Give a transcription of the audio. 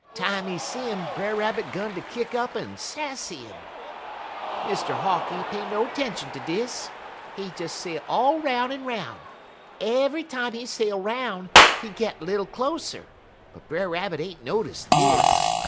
Time he see 'im, Brer Rabbit 'gun ter kick up en sassy 'im. "Mr. Hawk ain't pay no 'tention ter dis. He des sail all 'roun' en 'roun'. Eve'y time he sail 'roun', he git little closer, but Brer Rabbit ain't notice dis.